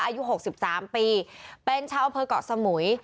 อายุหกสิบสามปีเป็นชาวอำเภอกเกาะสมุย